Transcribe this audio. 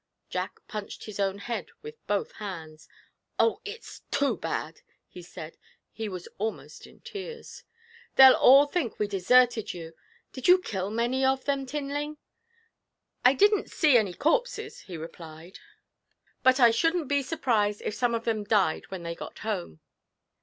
Jack punched his own head with both hands. 'Oh, it's too bad!' he said he was almost in tears. 'They'll all think we deserted you! Did you kill many of them, Tinling?' 'I didn't see any corpses,' he replied; 'but I shouldn't be surprised if some of them died when they got home.'